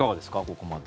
ここまで。